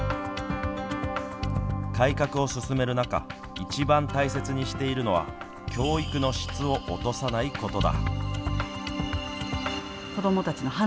改革を進める中一番大切にしているのは教育の質を落とさないことだ。